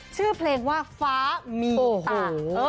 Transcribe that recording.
ชื่อเพลงว่าฟ้ามีปกตา